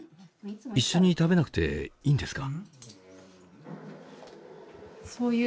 一緒に食べなくていいんですか？